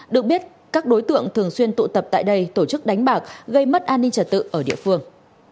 được biết các đối tượng thường xuyên tụ tập tại đây tổ chức đánh bạc gây mất an ninh trật tự ở địa phương